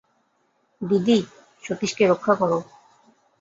দিদি, সতীশকে রক্ষা করো।